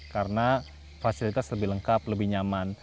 karena fasilitas lebih lengkap lebih nyaman